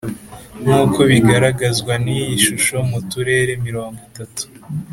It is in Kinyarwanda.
Nk uko bigaragazwa n iyi shusho Mu turere mirongo itatu.